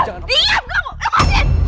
diam kamu lepasin